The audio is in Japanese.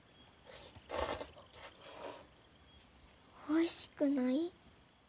おいしくない？